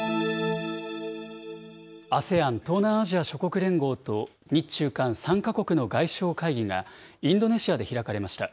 ＡＳＥＡＮ・東南アジア諸国連合と日中韓３か国の外相会議が、インドネシアで開かれました。